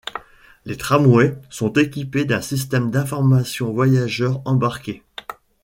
Les tramways sont équipés d'un système d'information voyageurs embarqué.